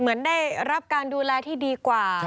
เหมือนได้รับการดูแลที่ดีกว่า